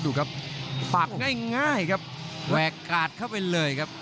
ดูครับปักง่ายครับแหวกกาดเข้าไปเลยครับ